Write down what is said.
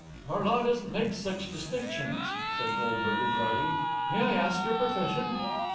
"Our law doesn't make such nice distinctions," said Goldberger, drily. "May I ask your profession?"